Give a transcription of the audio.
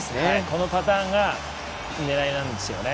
このパターンが狙いなんですよね。